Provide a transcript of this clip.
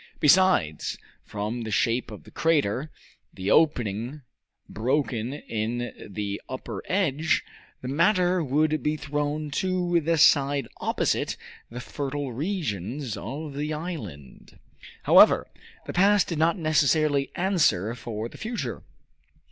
Besides, from the shape of the crater the opening broken in the upper edge the matter would be thrown to the side opposite the fertile regions of the island. However, the past did not necessarily answer for the future.